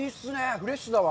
フレッシュだわ。